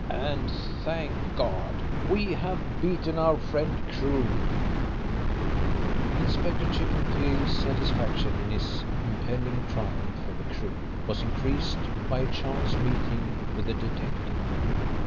And, thank God, we have beaten our friend Crewe." Inspector Chippenfield's satisfaction in his impending triumph over Crewe was increased by a chance meeting with the detective.